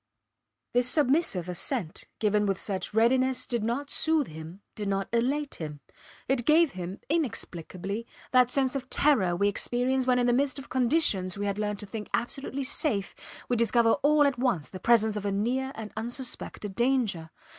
This submissive assent given with such readiness did not soothe him, did not elate him; it gave him, inexplicably, that sense of terror we experience when in the midst of conditions we had learned to think absolutely safe we discover all at once the presence of a near and unsuspected danger.